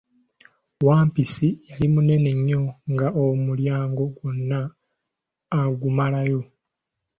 Wampisi yali munene nnyo nga omulyango gwonna agumalayo.